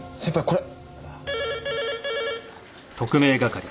これ！